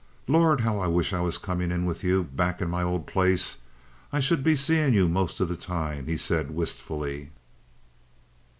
"Lord, how I wish I was coming in with you back in my old place! I should be seeing you most of the time," he said wistfully.